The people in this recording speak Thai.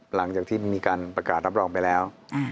หลังจากที่มีการประกาศรับรองไปแล้ว